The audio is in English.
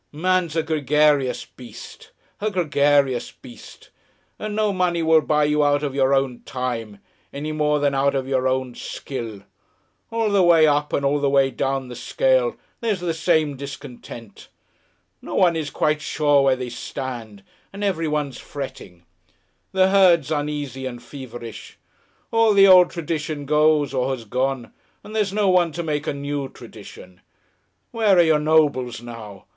Man's a gregarious beast, a gregarious beast, and no money will buy you out of your own time any more than out of your own skill. All the way up and all the way down the scale there's the same discontent. No one is quite sure where they stand, and everyone's fretting. The herd's uneasy and feverish. All the old tradition goes or has gone, and there's no one to make a new tradition. Where are your nobles now?